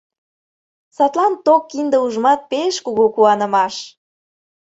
Садлан ток кинде ужмат — пеш кугу куанымаш.